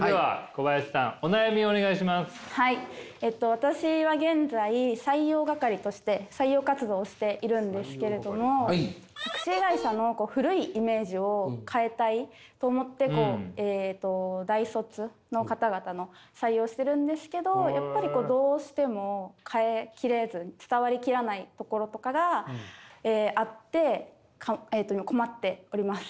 私は現在採用係として採用活動をしているんですけれどもタクシー会社の古いイメージを変えたいと思って大卒の方々の採用をしてるんですけどやっぱりどうしても変え切れず伝わり切らないところとかがあって困っております。